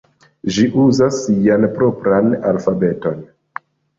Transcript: Ĝi uzas sian propran alfabeton.